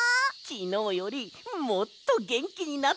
きのうよりもっとげんきになってるぞ。